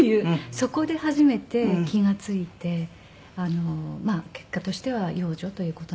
そこで初めて気が付いてまあ結果としては養女という事になりました。